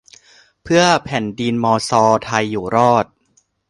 เพื่อแผ่นดินมอซอไทยอยู่รอด